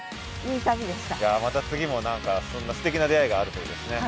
いやまた次もそんなすてきな出会いがあるといいですね。